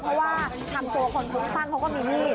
เพราะว่าทางตัวคนคุ้มคลั่งเขาก็มีมีด